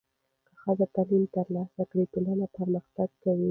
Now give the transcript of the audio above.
که ښځې تعلیم ترلاسه کړي، ټولنه پرمختګ کوي.